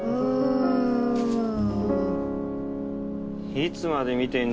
いつまで見てんだよ